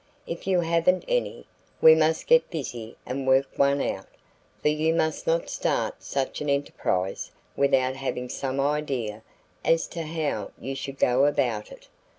If you haven't any, we must get busy and work one out, for you must not start such an enterprise without having some idea as to how you should go about it.